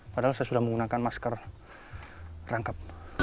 padahal saya sudah menggunakan masker rangkap